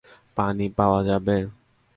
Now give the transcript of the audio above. পানি পাওয়া যাবে?